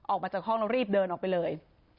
ออกมาจากห้องแล้วรีบเดินออกไปเลย